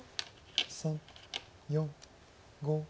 ３４５。